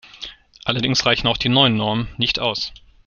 Allerdings reichen auch die neuen Normen nicht aus.